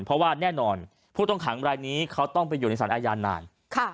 เพราะว่าแน่นอนผู้ต้องขังรายนี้เขาต้องไปอยู่ในสารอาญานาน